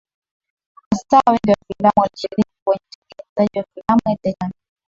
mastaa wengi wa filamu walishiriki kwenye utengenezaji wa filamu ya titanic